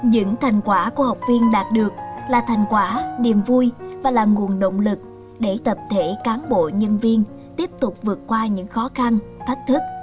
những thành quả của học viên đạt được là thành quả niềm vui và là nguồn động lực để tập thể cán bộ nhân viên tiếp tục vượt qua những khó khăn thách thức